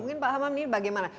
mungkin pak hamam ini bagaimana